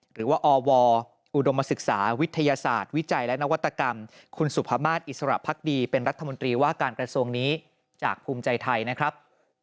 หรือว่าอวอุดมศึกษาวิทยาศาสตร์วิจัยและนวัตกรรมคุณสุภามาศอิสระพักดีเป็นรัฐมนตรีว่าการกระทรวงนี้จากภูมิใจไทยนะครับ